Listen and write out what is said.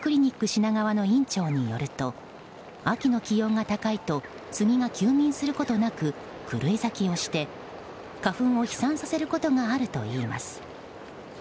品川の院長によると、秋の気温が高いとスギが休眠することなく狂い咲きをして花粉を飛散させることがあるといいます。